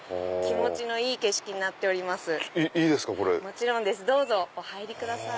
もちろんですお入りください。